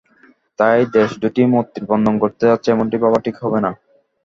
তাই দেশ দুটি মৈত্রীর বন্ধন গড়তে যাচ্ছে, এমনটি ভাবা ঠিক হবে না।